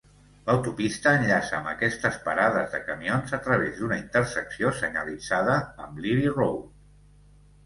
L'autopista enllaça amb aquestes parades de camions a través d'una intersecció senyalitzada amb Libbey Road.